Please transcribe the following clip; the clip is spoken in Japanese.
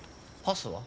パスは？